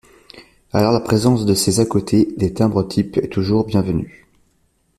Alors la présence de ces à-côtés des timbres-types est toujours bienvenue.